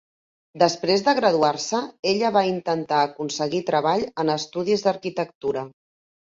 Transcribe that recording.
Després de graduar-se, ella va intentar aconseguir treball en estudis d'arquitectura.